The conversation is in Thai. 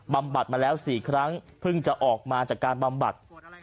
บัดมาแล้ว๔ครั้งเพิ่งจะออกมาจากการบำบัด